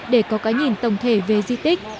để có cái nhìn tổng thể về di tích